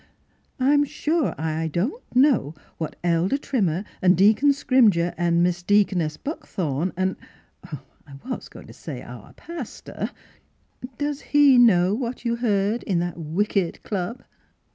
" I'm sure I don't know what Elder Trimmer an' Deacon Scrimger an' Mis' Deaconess Buckthorne an' — I was goin' t' say our pastor — Does he know what you heard in that wicked club